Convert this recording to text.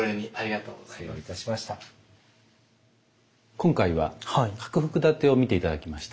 今回は「各服点」を見て頂きました。